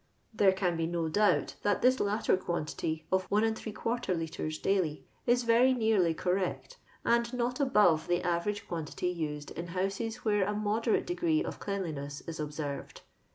There can be no doubt that this latter quantity of 1} litre daily is very nearly correct, and not above the average quantity used in houses where a moderate degree of cleanliness is observed.